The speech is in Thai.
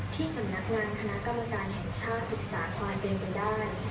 ที่สำนักงานคณะกรรมการแห่งชาติศึกษาความเป็นไปได้